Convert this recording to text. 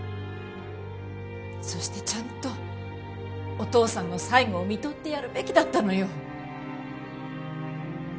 そしてちゃんとお父さんの最期を看取ってやるべきだったのよ。